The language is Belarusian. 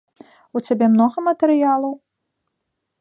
У цябе многа матэрыялаў?